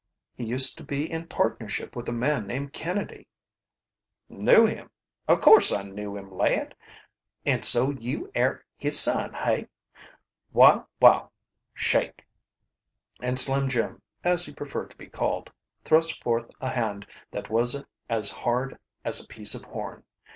He used to be in partnership with a man named Kennedy." "Knew him o' course I knew him, lad! An' so you air his son, hey? Wall! wall! shake!" And Slim Jim, as he preferred to be called, thrust forth a hand that was as hard as a piece of horn.